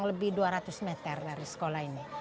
lebih dua ratus meter dari sekolah ini